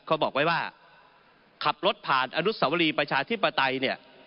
เขาบอกไว้ว่าขับรถผ่านอนุสวรีประชาธิปไตยเนี่ย